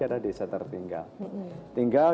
adalah desa tertinggal tinggal